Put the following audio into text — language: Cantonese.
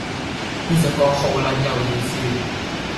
呢首歌好撚有意思